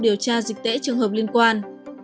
điều tra dịch tễ trường hợp liên quan